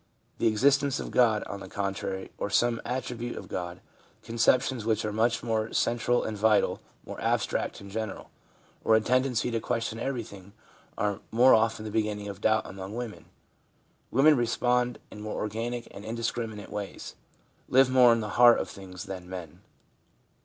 The existence of God, on the contrary, or some attribute of God — conceptions w r hich are much more central and vital, more abstract and general — or a tendency to ques tion everything are more often the beginning of doubt among women. Women respond in more organic and indiscriminate ways ; live more in the heart of things than men.